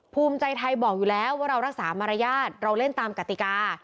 ภูมิใจไทยบอกอยู่แล้วว่าเรารักษามารยาทเราเล่นตามกติกา